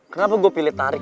kenapa gue pilih tarik